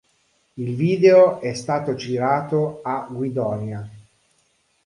Il video è stato girato a Guidonia.